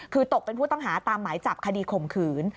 คือตกเป็นผู้ต้องหาตามหมายจับคดีข่มขืน